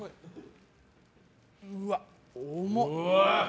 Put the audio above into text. うわ、重っ！